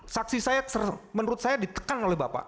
saksi saya menurut saya ditekan oleh bapak